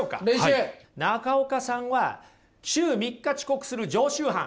中岡さんは週３日遅刻する常習犯。